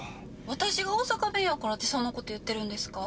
私が大阪弁やからってそんなこと言ってるんですか？